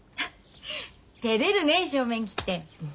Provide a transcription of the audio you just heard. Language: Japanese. てれるねえ正面切って。